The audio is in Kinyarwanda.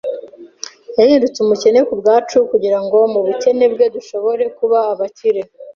Yahindutse umukene ku bwacu, kugira ngo mu bukene bwe dushobore kuba abakire